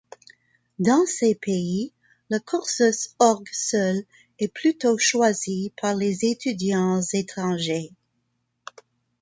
Dans ces pays, le cursus orgue seul est plutôt choisi par les étudiants étrangers.